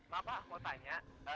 pak pak mau tanya